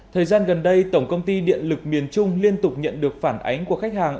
thời gian gần đây tổng công ty điện lực miền trung liên tục nhận được phản ánh của khách hàng